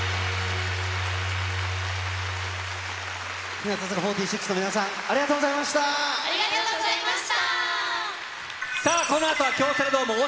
日向坂４６の皆さん、ありがとうありがとうございました。